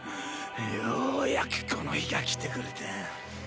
ようやくこの日が来てくれた。